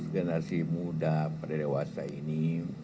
generasi muda pada dewasa ini